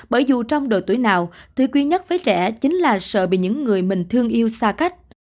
bởi dù trong độ tuổi nào thứ quý nhất với trẻ chính là sợ bị những người mình thương yêu xa cách